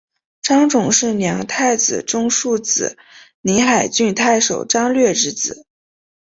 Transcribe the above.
张种是梁太子中庶子临海郡太守张略之子。